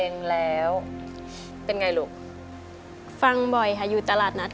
กับพี่น้ำลวงกันนะครับ